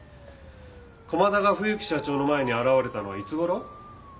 駒田が冬木社長の前に現れたのはいつ頃？